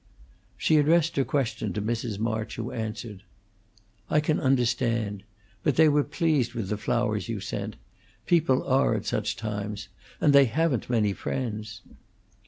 She addressed her question to Mrs. March, who answered: "I can understand. But they were pleased with the flowers you sent; people are, at such times, and they haven't many friends."